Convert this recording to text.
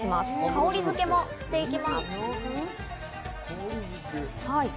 香りづけもしていきます。